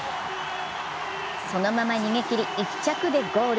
そのまま逃げ切り、１着でゴール。